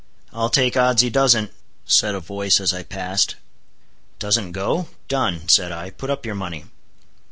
"I'll take odds he doesn't," said a voice as I passed. "Doesn't go?—done!" said I, "put up your money."